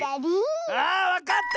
あわかった！